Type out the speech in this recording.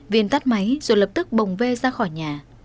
viên tắt máy rồi lập tức bồng ve ra khỏi nhà